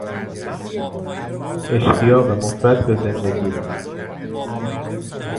اشتیاق مفرط به زندگی